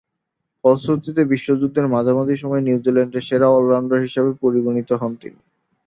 ফলশ্রুতিতে, বিশ্বযুদ্ধের মাঝামাঝি সময়ে নিউজিল্যান্ডের সেরা অল-রাউন্ডার হিসেবে পরিগণিত হন তিনি।